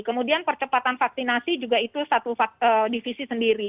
kemudian percepatan vaksinasi juga itu satu divisi sendiri